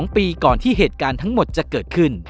๒ปีก่อนที่เหตุการณ์ทั้งหมดจะเกิดขึ้น